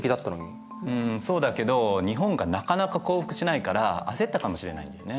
うんそうだけど日本がなかなか降伏しないから焦ったかもしれないんだよね。